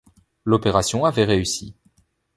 L’opération avait réussi.